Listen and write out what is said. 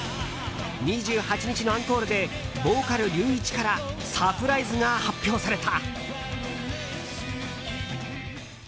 ２８日のアンコールでボーカル、ＲＹＵＩＣＨＩからサプライズが発表された。